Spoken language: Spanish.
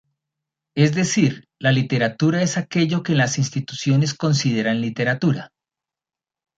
Es decir, la literatura es aquello que las instituciones consideran literatura.